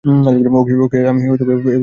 ওকে আমি এভাবে লোকজনকে ভয় দেখাতে দিতাম না।